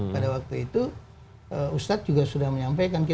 pada waktu itu ustadz juga sudah menyampaikan